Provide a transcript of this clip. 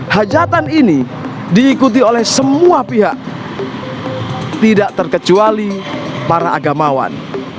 hajatan ini diikuti oleh semua pihak tidak terkecuali para agamawan